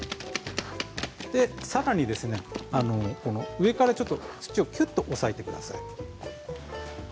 さらに上から土をきゅっと押さえてください。